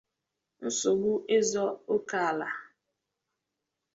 nsogbu ịzọ ókè ala